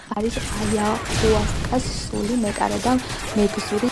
ლერწამი განხილულია, რომ არის აიაჰუასკას „სული“, მეკარე და მეგზური იდუმალი სამყაროების სამეფოებში.